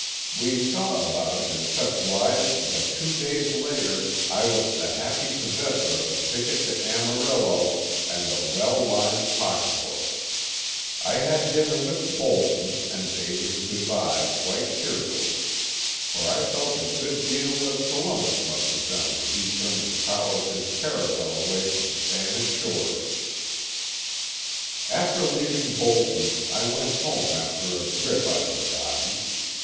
We saw about it in such wise that two days later I was the happy possessor of a ticket to Amarillo and a well lined pocket book. I had dinner with Bolton, and bade him good bye quite cheerfully, for I felt a good deal as Columbus must have done when he turned the prow of his caravel away from Spanish shores. After leaving Bolton I went home after a grip I'd forgotten.